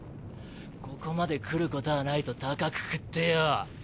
ここまで来るこたないとタカくくってよォ。